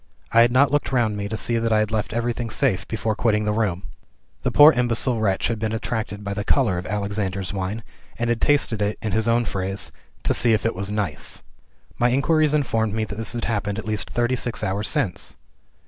I had not looked round me to see that I had left everything safe before quitting the room. The poor imbecile wretch had been attracted by the color of "Alexander's Wine," and had tasted it (in his own phrase) "to see if it was nice." My inquiries informed me that this had happened at least thirty six hours since!